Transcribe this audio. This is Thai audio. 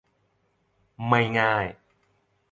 ไม่ง่าย